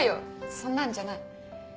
そんなんじゃない。